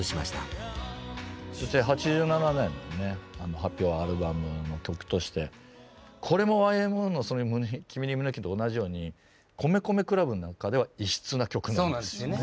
８７年に発表アルバムの曲としてこれもＹＭＯの「君に、胸キュン。」と同じように米米ＣＬＵＢの中では異質な曲なんですよね。